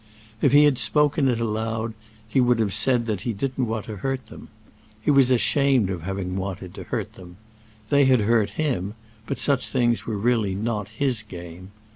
If he had spoken it aloud he would have said that he didn't want to hurt them. He was ashamed of having wanted to hurt them. They had hurt him, but such things were really not his game.